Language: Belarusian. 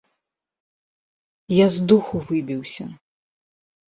Я з духу выбіўся.